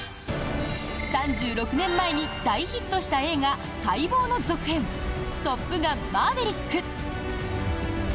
３６年前に大ヒットした映画待望の続編「トップガンマーヴェリック」。